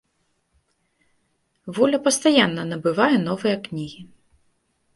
Воля пастаянна набывае новыя кнігі.